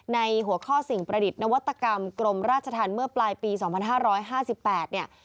ในหัวข้อสิ่งประดิษฐ์นวัตกรรมกรมราชธรรมเมื่อปลายปี๒๕๕๘เนี่ย